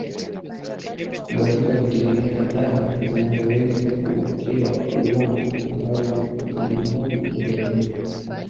Kukubalika hutegemea dhana zinazoweza kuwekewa uongo ambazo zilimudu majaribio